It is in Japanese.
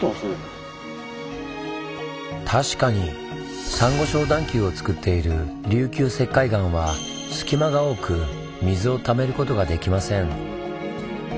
確かにサンゴ礁段丘をつくっている琉球石灰岩は隙間が多く水を溜めることができません。